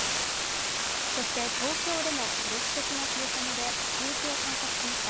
そして東京でも記録的な冷え込みで初雪を観測しました。